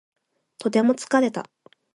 とても疲れた